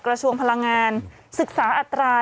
กระทรวงพลังงานศึกษาอัตรา